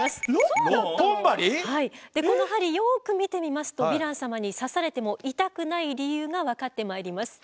この針よく見てみますとヴィラン様に刺されても痛くない理由が分かってまいります。